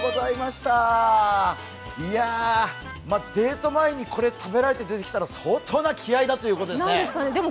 デート前にこれを食べられて出てきたら相当な気合いだということですね。